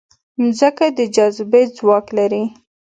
مځکه د جاذبې ځواک لري.